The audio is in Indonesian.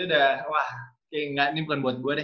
udah wah kayak gak ini bukan buat gue deh